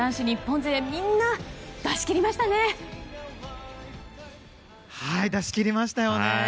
日本勢みんな出し切りましたね。